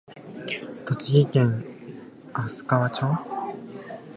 栃木県那珂川町